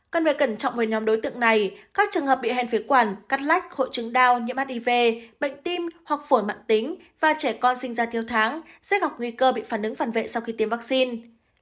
cần phải cẩn trọng với nhóm đối tượng này các trường hợp bị hèn phế quản cắt lách hội chứng đau nhiễm hiv bệnh tim hoặc phổi mạng tính và trẻ con sinh ra theo tháng sẽ gặp nguy cơ bị phản ứng phản vệ sau khi tiêm vaccine